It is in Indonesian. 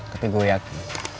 tapi gue yakin